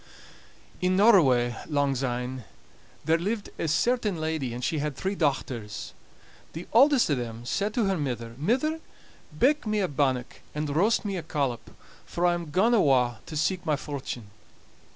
In Norroway, langsyne, there lived a certain lady, and she had three dochters. The auldest o' them said to her mither: "Mither, bake me a bannock, and roast me a collop, for I'm gaun awa' to seek my fortune."